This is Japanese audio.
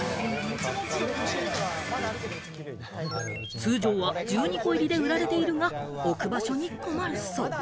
通常は１２個入りで売られているが、置く場所に困るそう。